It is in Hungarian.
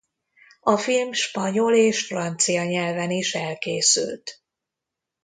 A film spanyol és francia nyelven is elkészült.